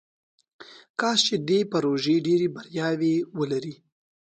کاش چې دې پروژې ډیرې بریاوې ولري.